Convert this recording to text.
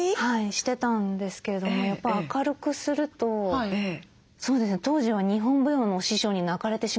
してたんですけれどもやっぱ明るくすると当時は日本舞踊のお師匠に泣かれてしまって。